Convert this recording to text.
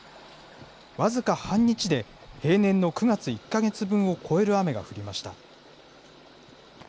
僅か半日で、平年の９月１か月分を超える雨が降りました。